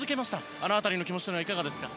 あの辺りの気持ちはいかがですか？